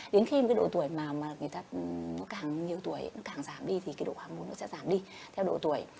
đến khi cái độ tuổi mà người ta nó càng nhiều tuổi nó càng giảm đi thì cái độ hàm mồ nó sẽ giảm đi theo độ tuổi